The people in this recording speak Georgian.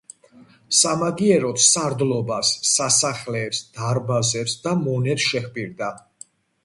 სამაგიეროდ სარდლობას, სასახლეებს, დარბაზებს და მონებს შეჰპირდა.